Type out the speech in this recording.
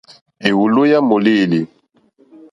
Éwòló yá mòlêlì.